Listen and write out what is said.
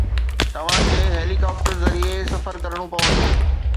توهان کي heli copter ذريعي سفر ڪرڻو پوندو.